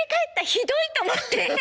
ひどいと思って。